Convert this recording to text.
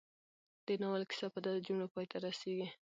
د ناول کيسه په داسې جملو پای ته رسېږي